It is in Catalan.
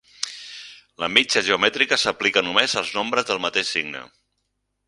La mitja geomètrica s'aplica només als nombres del mateix signe.